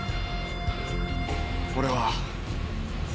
俺は。